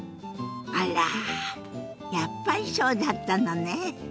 あらやっぱりそうだったのね。